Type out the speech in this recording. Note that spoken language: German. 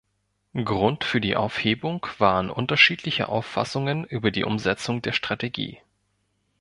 Grund für die Aufhebung waren unterschiedliche Auffassungen über die Umsetzung der Strategie.